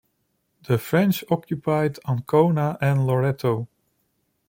The French occupied Ancona and Loreto.